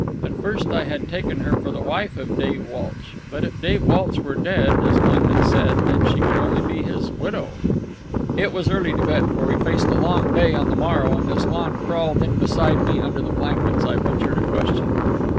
At first I had taken her for the wife of Dave Walsh; but if Dave Walsh were dead, as Lon had said, then she could be only his widow. It was early to bed, for we faced a long day on the morrow; and as Lon crawled in beside me under the blankets, I ventured a question.